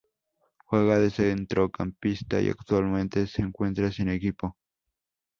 Juega de centrocampista y actualmente se encuentra sin equipo.